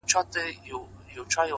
زه سم پء اور کړېږم ستا په محبت شېرينې”